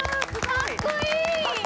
かっこいい。